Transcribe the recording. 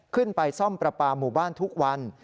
ขึ้นไปซ่อมประปาหมู่บ้านทุกวัน